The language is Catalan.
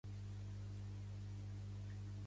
Va inventar l'equació Dym, que porta el seu nom.